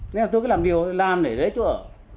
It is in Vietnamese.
nên là tôi cứ làm liều làm để lấy chỗ ở